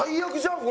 これ！